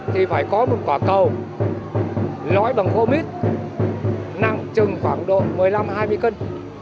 thì phải có một quả cầu nói bằng khô mít nặng chừng khoảng độ một mươi năm hai mươi cân